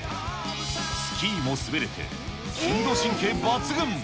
スキーも滑れて、運動神経抜群。